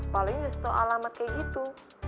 paling justru alamat kayak gitu